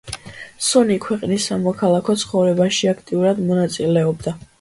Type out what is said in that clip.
სუნი ქვეყნის სამოქალაქო ცხოვრებაში აქტიურად მონაწილეობდა.